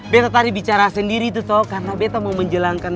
betta tadi bicara sendiri itu tau karena betta mau menjelangkan